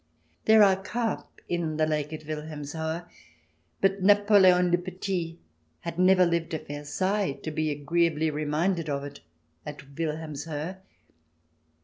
There are carp in the lake at Wilhelmshohe, but Napoleon le Petit had never lived at Versailles, to be agreeably reminded of it at Wilhelmshohe.